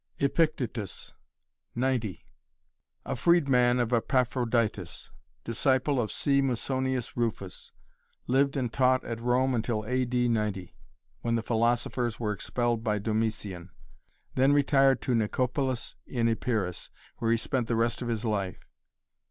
Epictetus Flor. 90 A freedman of Epaphroditus, Disciple of C Musonius Rufus, Lived and taught at Rome until A. D. 90 when the philosophers were expelled by Domitian. Then retired to Nicopolis in Epirus, where he spent the rest of his life.